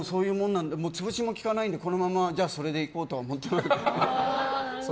もう潰しもきかないんでこのまま、それでいこうとは思ってます。